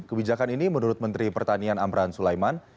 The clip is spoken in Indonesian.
kebijakan ini menurut menteri pertanian amran sulaiman